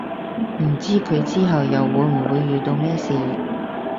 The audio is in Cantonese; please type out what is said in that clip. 唔知佢之後又會唔會遇到咩事